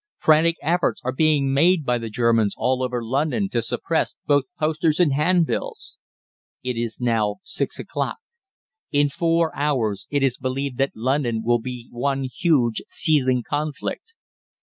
"Frantic efforts are being made by the Germans all over London to suppress both posters and handbills. "It is now six o'clock. In four hours it is believed that London will be one huge seething conflict.